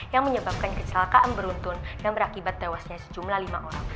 yang menyebabkan kecelakaan beruntun dan berakibat tewasnya sejumlah lima orang